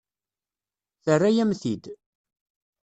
Terra-yam-t-id.